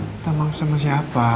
minta maaf sama siapa